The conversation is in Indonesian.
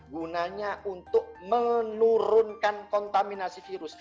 gunanya untuk menurunkan kontaminasi virus